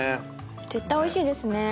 絶対おいしいですね。